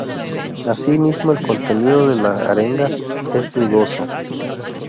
Asimismo el contenido de la arenga es dudoso.